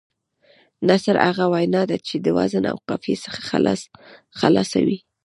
نثر هغه وینا ده، چي د وزن او قافيې څخه خلاصه وي.